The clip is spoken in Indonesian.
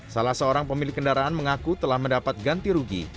salah seorang pemilik kendaraan mengaku telah mendapat ganti rugi